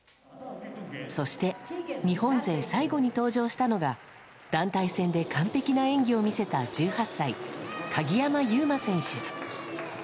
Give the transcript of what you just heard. そして、日本勢最後に登場したのが、団体戦で完璧な演技を見せた１８歳、鍵山優真選手。